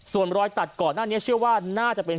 ส่วนรอยตัดก่อนหน้านี้เชื่อว่าน่าจะเป็น